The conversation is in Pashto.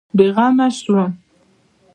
بېغمه شوم.